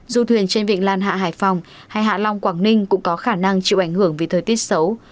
du thuyền trên vịnh lan hạ hải phòng hay hạ long quảng ninh cũng có khả năng chịu ảnh hưởng vì thời tiết xấu